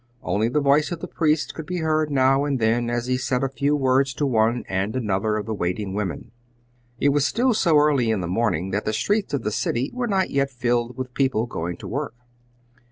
Only the voice of the priest could be heard now and then, as he said a few words to one and another of the waiting women. It was still so early in the morning that the streets of the city were not yet filled with people going to work.